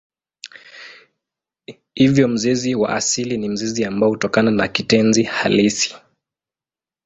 Hivyo mzizi wa asili ni mzizi ambao hutokana na kitenzi halisi.